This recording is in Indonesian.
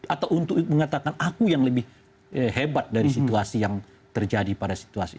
atau untuk mengatakan aku yang lebih hebat dari situasi yang terjadi pada situasi